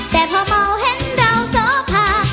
แต่พอเมาเห็นเราเสื้อผ่า